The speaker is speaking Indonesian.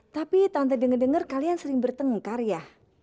tapi tante denger denger kalian sering bertengkar ya